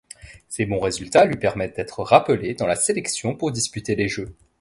Ses bons résultats lui permettent d'être rappelé dans la sélection pour disputer les Jeux.